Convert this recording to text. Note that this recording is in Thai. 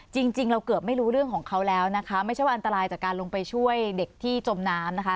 จริงเราเกือบไม่รู้เรื่องของเขาแล้วนะคะไม่ใช่ว่าอันตรายจากการลงไปช่วยเด็กที่จมน้ำนะคะ